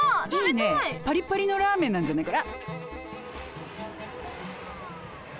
パリパリのラーメンなんじゃないかな。